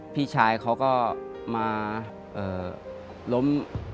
พี่ชายเขาก็มาล้ม